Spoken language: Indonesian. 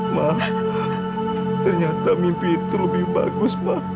ma ternyata mimpi itu lebih bagus pak